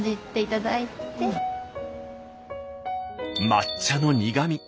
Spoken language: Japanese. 抹茶の苦み